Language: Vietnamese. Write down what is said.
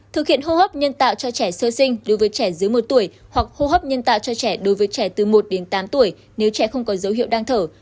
thực hiện hô hấp nhân tạo cho trẻ sơ sinh đối với trẻ dưới một tuổi hoặc hô hấp nhân tạo cho trẻ đối với trẻ từ một đến tám tuổi nếu trẻ không có dấu hiệu đang thở